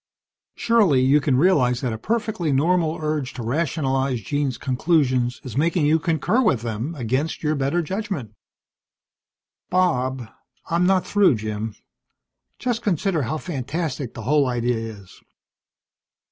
Surely you can realize that a perfectly normal urge to rationalize Jean's conclusions is making you concur with them against your better judgment." "Bob " "I'm not through, Jim. Just consider how fantastic the whole idea is.